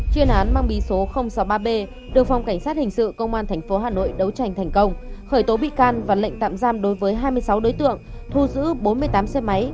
chuyên án mang bí số sáu mươi ba b được phòng cảnh sát hình sự công an tp hà nội đấu tranh thành công khởi tố bị can và lệnh tạm giam đối với hai mươi sáu đối tượng thu giữ bốn mươi tám xe máy